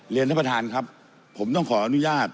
ท่านประธานครับผมต้องขออนุญาต